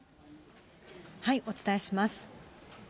お伝えします。